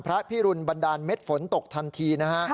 พระพิรุณบันดาลเม็ดฝนตกทันทีนะฮะ